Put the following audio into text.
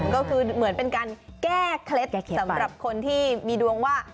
ก็คือเหมือนเป็นการแก้เคล็ดสำหรับคนที่มีดวงว่า